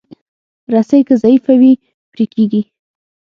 رسۍ که ضعیفه وي، پرې کېږي.